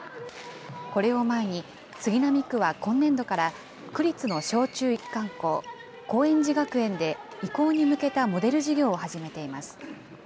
これを前に、杉並区は今年度から、区立の小中一貫校、高円寺学園で移行に向けたモデル事業を始めています。